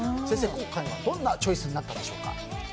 先生、今回はどんなチョイスになったんでしょうか。